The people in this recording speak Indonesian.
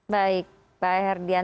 baik pak herdian